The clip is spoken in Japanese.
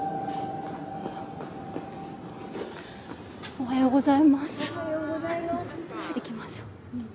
おはようございます。